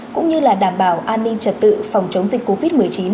cũng như là đảm bảo an ninh trật tự phòng chống dịch covid một mươi chín